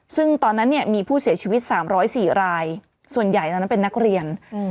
ซึ่งตอนนั้นเนี่ยมีผู้เสียชีวิต๓๐๔รายส่วนใหญ่ตอนนั้นเป็นนักเรียน